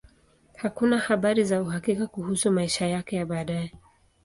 Hakuna habari za uhakika kuhusu maisha yake ya baadaye.